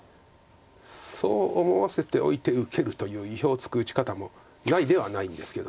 そう思わせておいて受けるという意表をつく打ち方もないではないんですけど。